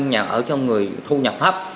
nhà ở cho người thu nhập thấp